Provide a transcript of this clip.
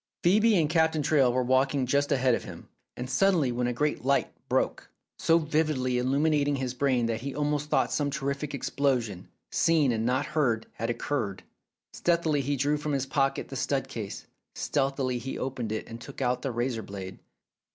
Phcebe and Captain Traill were walking just ahead of him, when suddenly a great light broke, so vividly illuminating his brain that he almost thought some terrific explosion, seen and not heard, had occurred. Stealthily he drew from his pocket the stud case, stealthily he opened it and took out the razor blade.